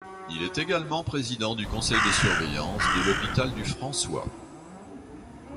Il est également président du conseil de surveillance de l'hôpital du François.